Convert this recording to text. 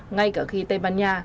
ngay cả khi tây ban nha